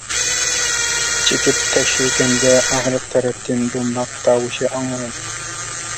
چېكىپ تەكشۈرگەندە ئاغرىق تەرەپتىن دۇمباق تاۋۇشى ئاڭلىنىدۇ.